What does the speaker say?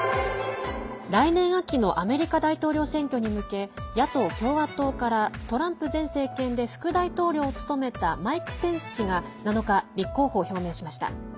来年秋のアメリカ大統領選挙に向け野党・共和党からトランプ前政権で副大統領を務めたマイク・ペンス氏が７日立候補を表明しました。